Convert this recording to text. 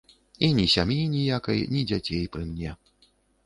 І ні сям'і ніякай, ні дзяцей пры мне.